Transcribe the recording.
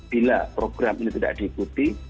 bila program ini tidak diikuti